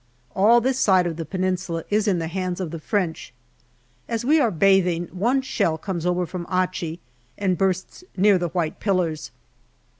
All this side of the Peninsula is in the hands of the French. As we are bathing, one shell comes over from Achi and bursts near the white pillars.